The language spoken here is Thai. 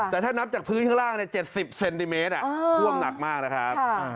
แต่ถ้านับจากพื้นข้างล่าง๗๐เซนติเมตรท่วมหนักมากนะครับ